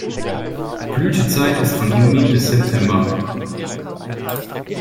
Blütezeit ist von Juni bis September.